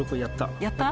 やった？